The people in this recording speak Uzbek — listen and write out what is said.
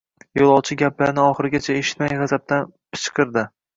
Yoʻlovchi gaplarini oxirigacha eshitmay gʻazabdan pishqirdi.